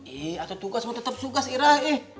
ih atuh tugas mah tetep tugas ira ih